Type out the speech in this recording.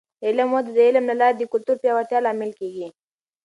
د علم وده د علم له لارې د کلتور پیاوړتیا لامل کیږي.